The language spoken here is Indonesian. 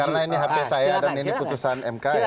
karena ini hape saya dan ini putusan mk ya